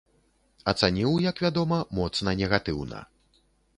Ацаніў, як вядома, моцна негатыўна.